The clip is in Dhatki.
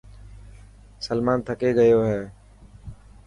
سلمان ٿڪي گيو هي.